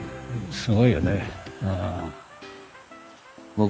すごいよね。